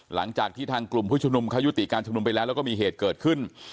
หลังจากที่ทางกลุ่มผู้ชุมนุมเขายุติการชุมนุมไปแล้วแล้วก็มีเหตุเกิดขึ้น